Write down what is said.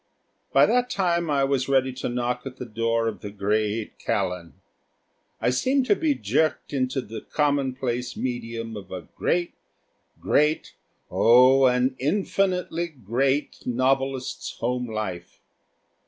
By that time I was ready to knock at the door of the great Callan. I seemed to be jerked into the commonplace medium of a great, great oh, an infinitely great novelist's home life.